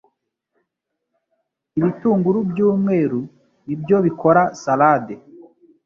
Ibitunguru byumweru nbyo bikora salade